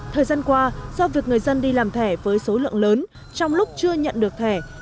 thời gian qua do việc người dân đi làm thẻ với số lượng lớn trong lúc chưa nhận được thẻ